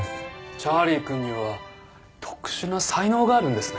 チャーリーくんには特殊な才能があるんですね。